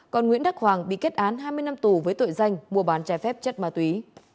còn nguyễn đắc hoàng bị kết án hai mươi năm tù với tội danh mua bán trái phép chất ma túy